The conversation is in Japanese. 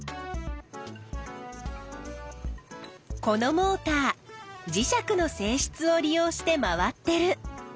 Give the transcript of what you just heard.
このモーター磁石のせいしつを利用して回ってる。